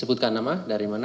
sebutkan nama dari mana